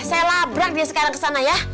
saya labrak dia sekarang kesana ya